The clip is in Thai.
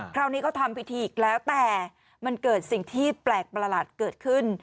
คราวนี้ก็ทำพิธีอีกแล้วแต่มันเกิดสิ่งที่แปลกประหลาดเกิดขึ้น